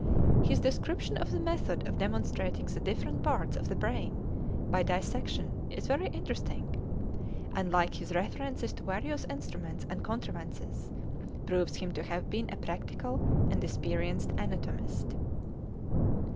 His description of the method of demonstrating the different parts of the brain by dissection is very interesting, and, like his references to various instruments and contrivances, proves him to have been a practical and experienced anatomist.